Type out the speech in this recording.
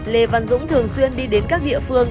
lê văn dũng thường xuyên đi đến các địa phương